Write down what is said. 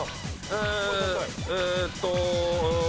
えーっと。